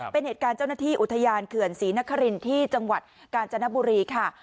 เป็นเหตุการณ์เจ้าหน้าที่อุทยานเขื่อนศรีนครินที่จังหวัดกาญจนบุรีค่ะ